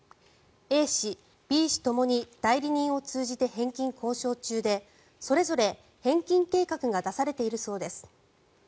Ａ氏、Ｂ氏ともに代理人を通じて返金交渉中でそれぞれ返金計画が出されているそうです。